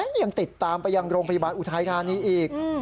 ยังติดตามไปยังโรงพยาบาลอุทัยธานีอีก